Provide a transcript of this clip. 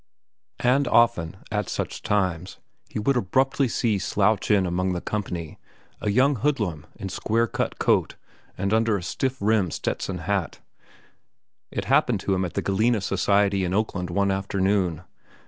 And often, at such times, he would abruptly see slouch in among the company a young hoodlum in square cut coat and under a stiff rim Stetson hat. It happened to him at the Gallina Society in Oakland one afternoon.